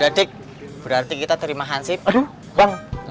apa itu kamar mandinya